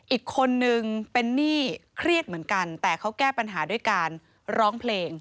อีกคนนึงเป็นหนี้เครียดเหมือนกันแต่เขาแก้ปัญหาด้วยการร้องเพลง